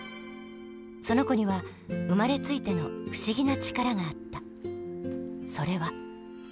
その子には生まれついての不思議な力があった。